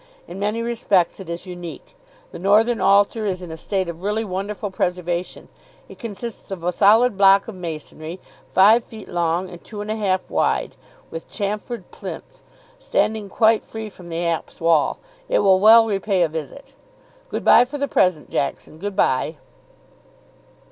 In many respects it is unique. The northern altar is in a state of really wonderful preservation. It consists of a solid block of masonry five feet long and two and a half wide, with chamfered plinth, standing quite free from the apse wall. It will well repay a visit. Good bye for the present, Jackson, good bye."